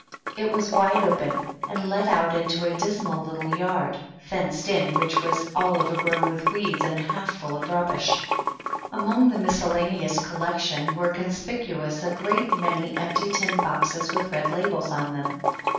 It was wide open and led out into a dismal little yard, fenced in, which was all overgrown with weeds and half full of rub bish. Among the miscellaneous collection were 36 THE DUCHESS AND HER HOUSE. conspicuous a great many empty tin boxes with red labels on them.